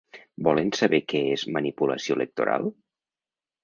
Volen saber què és manipulació electoral?